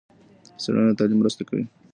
څېړنه د تعليم مرسته کوي.